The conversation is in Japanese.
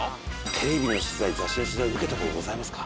テレビの取材雑誌の取材受けた事ございますか？